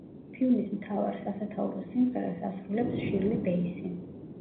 ფილმის მთავარ, სასათაურო სიმღერას, ასრულებს შირლი ბეისი.